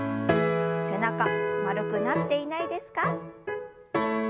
背中丸くなっていないですか。